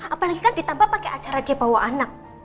apalagi kan ditambah pakai acara dia bawa anak